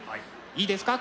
いいですか？